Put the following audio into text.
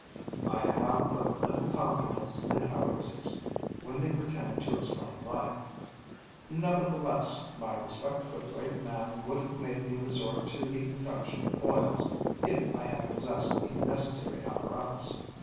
I have but little confidence in our physics, when they pretend to explain life; nevertheless, my respect for the great man would have made me resort to the induction coils, if I had possessed the necessary apparatus.